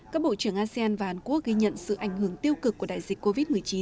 các bộ trưởng asean và hàn quốc ghi nhận sự ảnh hưởng tiêu cực của đại dịch covid một mươi chín